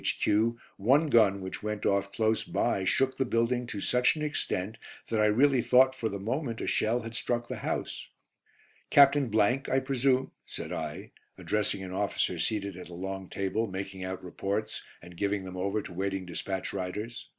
Q., one gun which went off close by shook the building to such an extent that I really thought for the moment a shell had struck the house. "Captain , I presume?" said I, addressing an officer seated at a long table making out reports and giving them over to waiting dispatch riders.